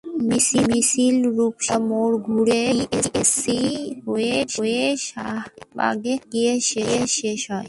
মিছিল রূপসী বাংলার মোড় ঘুরে, টিএসসি হয়ে শাহবাগে গিয়ে শেষ হয়।